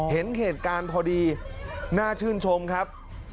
เห็นเหตุการณ์พอดีน่าชื่นชมครับ